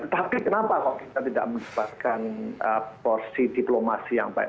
tapi kenapa kok kita tidak menyebabkan porsi diplomasi yang baik